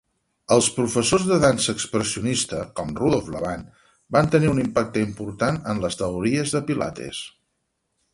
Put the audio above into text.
Els professors de dansa expressionista com Rudolf Laban van tenir un impacte important en les teories de Pilates.